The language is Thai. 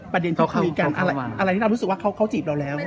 ประเด็นเขาคุยกันอะไรที่เรารู้สึกว่าเขาจีบเราแล้ว